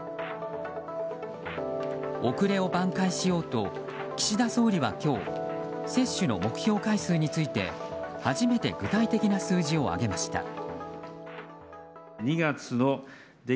遅れを挽回しようと岸田総理は今日接種の目標回数について初めて具体的な数字を挙げました。